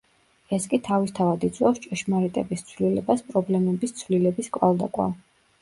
ეს კი თავისთავად იწვევს ჭეშმარიტების ცვლილებას პრობლემების ცვლილების კვალდაკვალ.